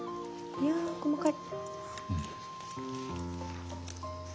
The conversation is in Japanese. いや細かい。